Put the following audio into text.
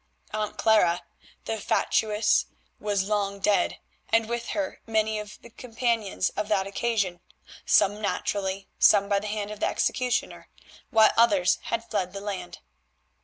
Aunt Clara, the fatuous, was long dead, and with her many of the companions of that occasion, some naturally, some by the hand of the executioner, while others had fled the land.